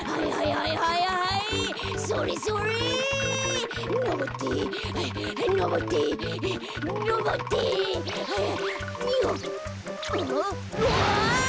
はいはいはい。